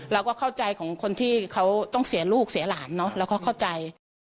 เราก็เข้าใจของคนที่เขาต้องเสียลูกเสียหลานเนอะเราก็เข้าใจ